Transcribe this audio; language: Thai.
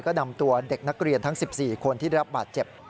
ก็นำตัวเด็กนักเรียนทั้ง๑๔คนที่ได้รับบาดเจ็บ